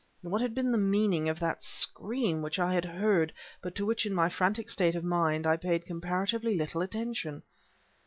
What had been the meaning of that scream which I had heard but to which in my frantic state of mind I had paid comparatively little attention?